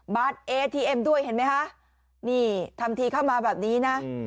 เอทีเอ็มด้วยเห็นไหมคะนี่ทำทีเข้ามาแบบนี้นะ